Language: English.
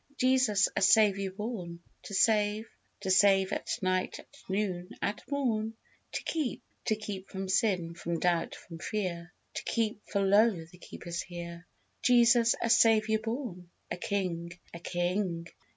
Jesus a Saviour born To save: To save at night, at noon, at morn. To keep: To keep from sin, from doubt, from fear; To keep, for lo! the Keeper's here. Jesus a Saviour born, A King: A King!